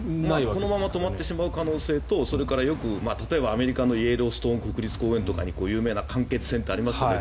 このまま止まってしまう可能性と例えば、アメリカのイエローストン公園なんかに有名な間欠泉ってありますよね。